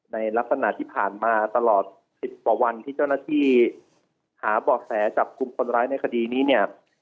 ในลักษณะที่ผ่านมาตลอด๑๐กว่าวันที่เจ้าหน้าที่หาบ่อแสจับกลุ่มคนร้ายในคดีนี้เนี่ย